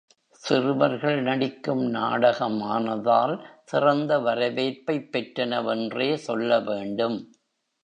சிறுவர்கள் நடிக்கும் நாடகம் ஆனதால் சிறந்த வரவேற்பைப் பெற்றனவென்றே சொல்லவேண்டும்.